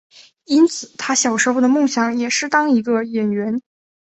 因此他小时候的梦想也是想当一个演员。